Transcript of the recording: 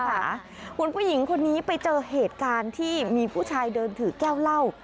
คุณผู้หญิงคนนี้ไปเจอเหตุการณ์ที่มีผู้ชายเดินถือแก้วเหล้า